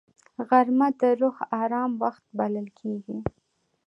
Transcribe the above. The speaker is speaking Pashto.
غرمه د روح آرام وخت بلل کېږي